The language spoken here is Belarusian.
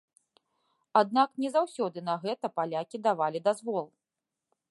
Аднак не заўсёды на гэта палякі давалі дазвол.